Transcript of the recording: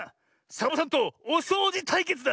サボさんとおそうじたいけつだ！